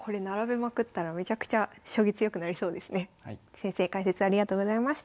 先生解説ありがとうございました。